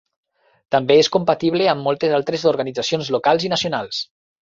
També és compatible amb moltes altres organitzacions locals i nacionals.